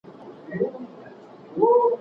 موږ غواړو چې په یوه پرمختللې ټولنه کې ژوند وکړو.